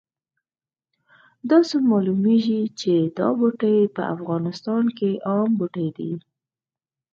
داسې معلومیږي چې دا بوټی په افغانستان کې عام بوټی دی